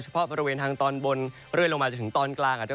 เฉพาะภรรยาวเองทางตอนบนเรื่อยลงมาจำถึงตอนกลางอาจจะ